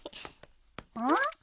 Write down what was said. うん？